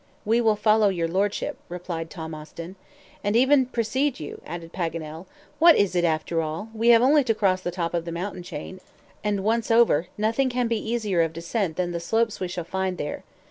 "We will follow your Lordship," replied Tom Austin. "And even precede you," added Paganel. "What is it after all? We have only to cross the top of the mountain chain, and once over, nothing can be easier of descent than the slopes we shall find there.